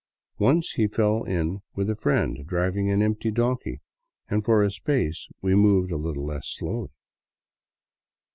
Once he fell in with a friend driving an "empty" donkey, and for a space we moved a Httle less slowly.